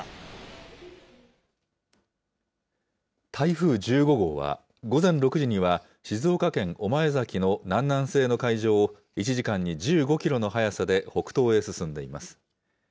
台風１５号は、午前６時には静岡県御前崎の南南西の海上を１時間に１５キロの速さで北東へ進んでいます。